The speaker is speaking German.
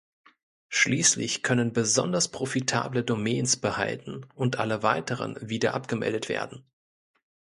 Schließlich können besonders profitable Domains behalten und alle weiteren wieder abgemeldet werden.